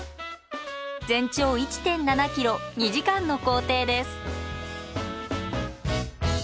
全長１．７ｋｍ２時間の行程です。